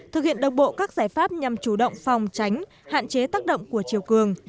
thực hiện đồng bộ các giải pháp nhằm chủ động phòng tránh hạn chế tác động của chiều cường